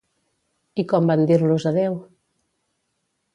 I com van dir-los adeu?